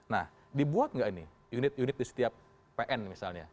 nah dibuat nggak ini unit unit di setiap pn misalnya